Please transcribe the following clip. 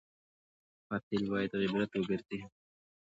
قاتل باید عبرت وګرځي